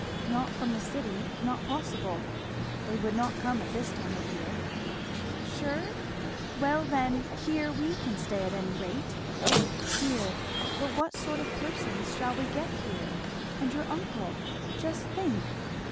"Not from the city not possible; they would not come at this time of year." "Sure? Well, then here we can at any rate." "Here! But what sort of persons shall we get here? And your uncle just think!"